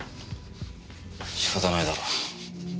仕方ないだろう。